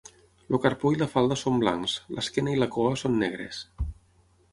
El carpó i la falda són blancs, l'esquena i la cua són negres.